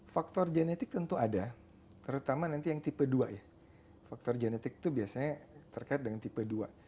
faktor genetik tentu ada terutama nanti yang tipe dua ya faktor genetik itu biasanya terkait dengan tipe dua